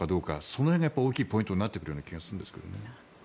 その辺が大きいポイントになってくる気がするんですけどね。